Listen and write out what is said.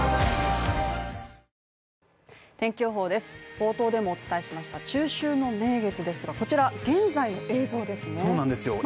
冒頭でもお伝えしました、中秋の名月ですが、こちら現在の映像ですね。